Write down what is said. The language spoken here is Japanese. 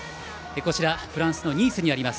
こちらフランスのニースにあります